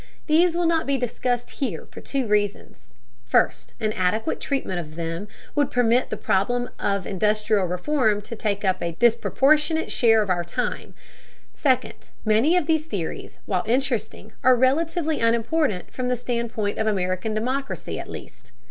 These will not be discussed here, for two reasons: first, an adequate treatment of them would permit the problem of industrial reform to take up a disproportionate share of our time; second, many of these theories, while interesting, are relatively unimportant, from the standpoint of American democracy at least.